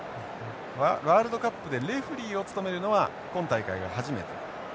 ワールドカップでレフリーを務めるのは今大会が初めて。